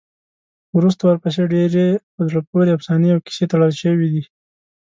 وروسته ورپسې ډېرې په زړه پورې افسانې او کیسې تړل شوي دي.